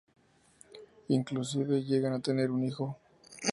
Inclusive llegan a tener un hijo.